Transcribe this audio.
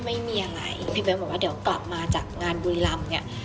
ไม่มีอะไรพี่เบ้นบอกว่าเดี๋ยวกลับมาจากงานบุรีรำเนี่ย